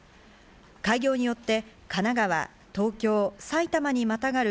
開業によって神奈川、東京、埼玉にまたがる